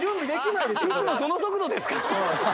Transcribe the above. いつもその速度ですか？